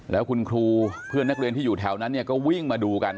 แล้วคุณครูเพื่อนนักเรียนที่อยู่แถวนั้นเนี่ยก็วิ่งมาดูกัน